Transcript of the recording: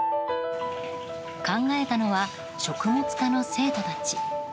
考えたのは食物科の生徒たち。